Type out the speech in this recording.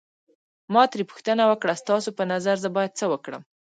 ما ترې پوښتنه وکړه ستا په نظر زه باید څه وکړم.